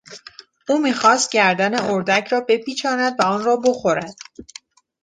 او میخواست گردن اردک را بپیچاند و آن را بخورد.